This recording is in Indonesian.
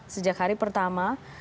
sejak hari pertama